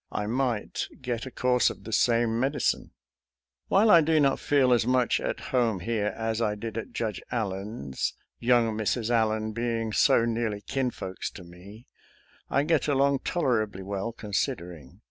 I might get a course of the same medi cine. *»♦ While I do not feel as much at home here as I did at Judge Allen's, — ^young Mrs. Allen being so nearly kinfolks to me, — I get along tolerably^ well, considering.